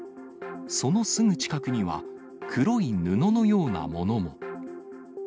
そのすぐ近くには、黒い布のようなものも。